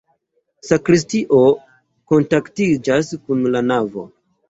Sakristio kontaktiĝas kun la navo.